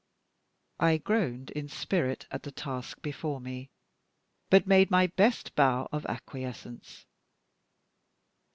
I groaned in spirit at the task before me, but made my best bow of acquiescence.